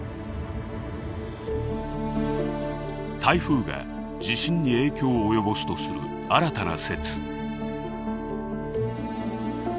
台風が地震に影響を及ぼすとする新たな説。